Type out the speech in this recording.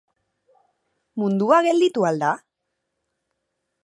Mundua gelditu al da?